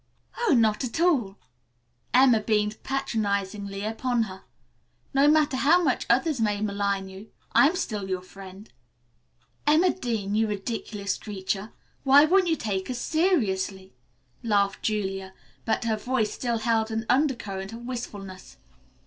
"Oh, not at all," Emma beamed patronizingly upon her. "No matter how much others may malign you, I am still your friend." "Emma Dean, you ridiculous creature, why won't you take us seriously?" laughed Julia, but her voice still held an undercurrent of wistfulness.